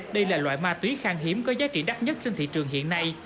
đây là loại ma túy khang hiếm có giá trị đắt nhất trên thị trường hiện nay